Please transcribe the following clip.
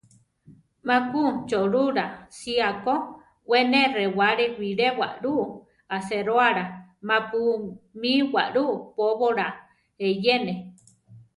Má ku Cholula sía ko, we ne rewále bilé waʼlú aséroala ma-pu mí waʼlú póbola eyéne.